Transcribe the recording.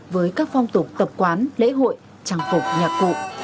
với các phong tục tập quán lễ hội trang phục nhạc cụ